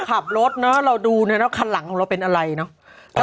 ขับรถเนอะเราดูเนี่ยนะคันหลังของเราเป็นอะไรเนอะ